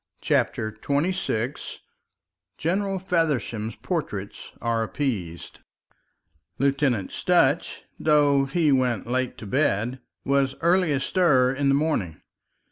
CHAPTER XXVI GENERAL FEVERSHAM'S PORTRAITS ARE APPEASED Lieutenant Sutch, though he went late to bed, was early astir in the morning.